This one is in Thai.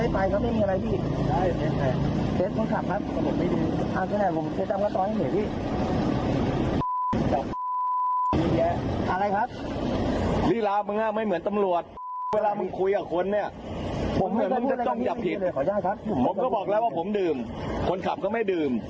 ผมก็บอกแล้วว่าผมดื่มคนขับก็ไม่ดื่ม